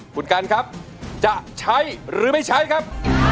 คุณกันครับจะใช้หรือไม่ใช้ครับ